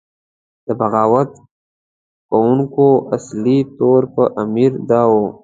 د بغاوت کوونکو اصلي تور پر امیر دا و.